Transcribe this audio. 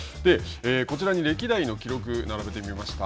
こちらに歴代の記録を並べてみました。